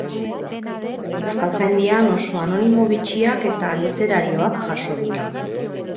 Euskaltzaindian oso anonimo bitxiak eta literarioak jaso dira.